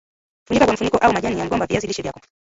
funika kwa mfuniko au majani ya mgomba viazi lishe vyako